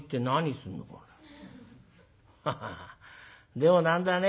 でも何だね